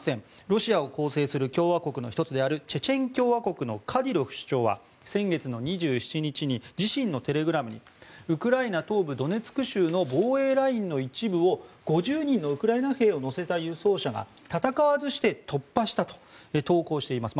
ロシアを構成する共和国の１つであるチェチェン共和国のカディロフ首長は先月２７日に自身のテレグラムにウクライナ東部ドネツク州の防衛ラインの一部を５０人のウクライナ兵を乗せた輸送車が戦わずして突破したと投稿しています。